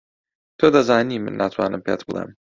تۆ دەزانی من ناتوانم پێت بڵێم.